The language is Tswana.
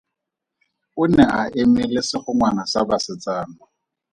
O ne a eme le segongwana sa basetsana.